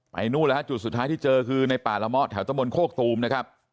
นู่นแล้วฮะจุดสุดท้ายที่เจอคือในป่าละเมาะแถวตะบนโคกตูมนะครับ